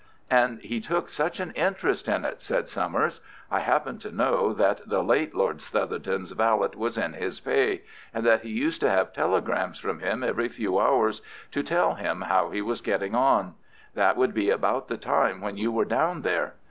"And he took such an interest in it," said Summers. "I happen to know that the late Lord Southerton's valet was in his pay, and that he used to have telegrams from him every few hours to tell him how he was getting on. That would be about the time when you were down there.